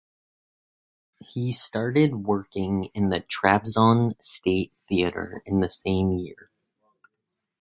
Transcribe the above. He started working in the Trabzon State Theater in the same year.